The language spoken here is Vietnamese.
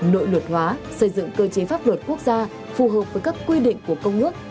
nội luật hóa xây dựng cơ chế pháp luật quốc gia phù hợp với các quy định của công ước